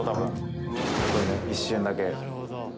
一瞬だけ。